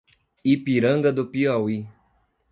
Ipiranga do Piauí